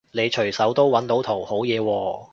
你隨手都搵到圖好嘢喎